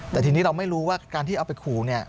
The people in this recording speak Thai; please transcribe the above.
แต่ทีนี้เราไม่รู้ว่าการที่เอาไปขู่เนี่ย